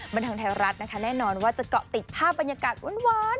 บันเทิงไทยรัฐนะคะแน่นอนว่าจะเกาะติดภาพบรรยากาศหวาน